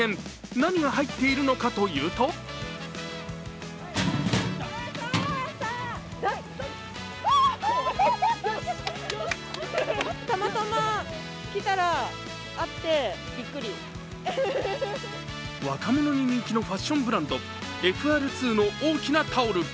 何が入っているかというと若者に人気のファッションブランド・ＦＲ２の大きなタオル。